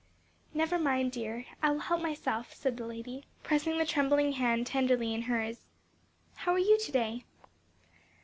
"Never mind, dear child, I will help myself," said the lady, pressing the trembling hand tenderly in hers. "How are you to day?"